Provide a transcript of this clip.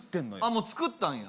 もう作ったんや？